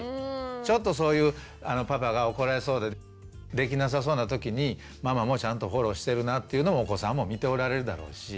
ちょっとそういうパパが怒られそうでできなさそうな時にママもちゃんとフォローしてるなっていうのもお子さんも見ておられるだろうし。